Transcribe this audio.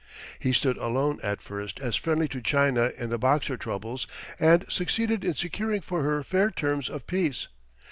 He stood alone at first as friendly to China in the Boxer troubles and succeeded in securing for her fair terms of peace.